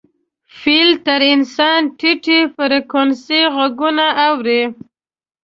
فیل تر انسان ټیټې فریکونسۍ غږونه اوري.